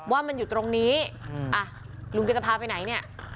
ว่ามันอยู่ตรงนี้อ่ะลุงแกจะพาไปไหนเนี่ย